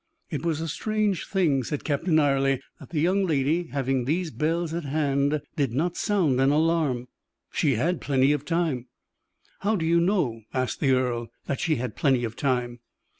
"It was a strange thing," said Captain Ayrley, "that the young lady, having these bells at hand, did not sound an alarm; she had plenty of time." "How do you know," asked the earl, "that she had plenty of time?"